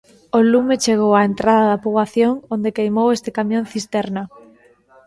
O lume chegou á entrada da poboación, onde queimou este camión cisterna.